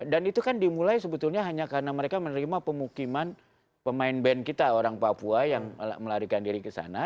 dan itu kan dimulai sebetulnya hanya karena mereka menerima pemukiman pemain band kita orang papua yang melarikan diri kesana